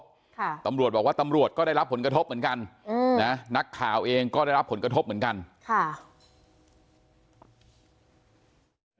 ค่ะตำรวจบอกว่าตำรวจก็ได้รับผลกระทบเหมือนกันอืมนะนักข่าวเองก็ได้รับผลกระทบเหมือนกันค่ะ